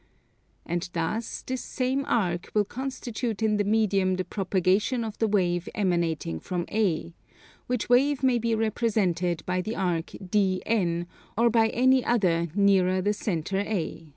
And thus this same arc will constitute in the medium the propagation of the wave emanating from A; which wave may be represented by the arc DN, or by any other nearer the centre A.